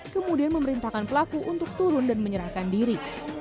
kemudian memerintahkan pelaku untuk turun dan menyerahkan diri